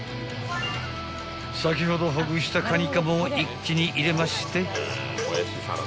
［先ほどほぐしたカニかまを一気に入れまして］